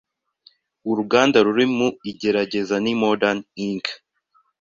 Uruganda ruri mu igerageza ni Moderna Inc.,